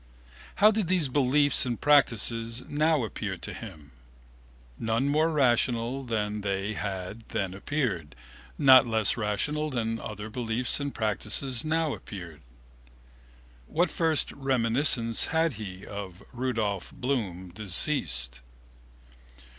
How did these beliefs and practices now appear to him? Not more rational than they had then appeared, not less rational than other beliefs and practices now appeared. What first reminiscence had he of Rudolph Bloom (deceased)?